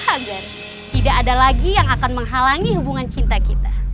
agar tidak ada lagi yang akan menghalangi hubungan cinta kita